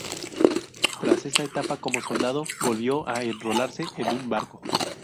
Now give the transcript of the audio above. Tras esta etapa como soldado, volvió a enrolarse en un barco.